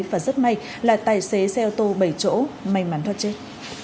và rất may là tài xế xe ô tô bảy chỗ may mắn thoát chết